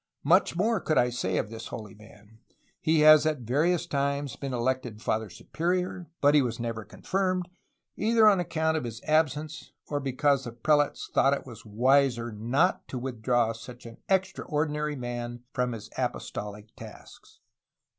Much more could I say of this holy man. He has at various times been elected Father Superior, but was never confirmed, either on ac count of his absence or because the prelates thought it wiser not to withdraw such an extraordinary man from his apostolic tasks."